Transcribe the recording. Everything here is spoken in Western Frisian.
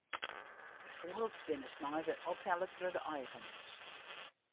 De fûgels binne snein wer ophelle troch de eigeners.